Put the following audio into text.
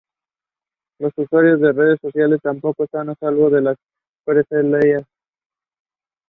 Los usuarios de redes sociales tampoco están a salvo de las represalias.